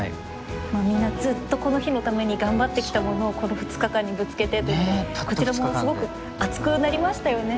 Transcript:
みんなずっとこの日のために頑張ってきたものをこの２日間にぶつけてということでこちらもすごく熱くなりましたよね。